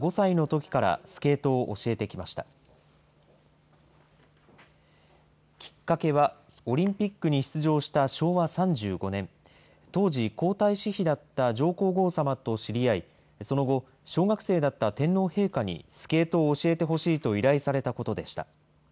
きっかけは、オリンピックに出場した昭和３５年、当時、皇太子妃だった上皇后さまと知り合い、その後、小学生だった天皇陛下にスケートを教えてほしいと依頼されたことでした。